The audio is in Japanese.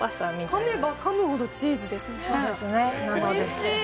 かめばかむほどチーズですね。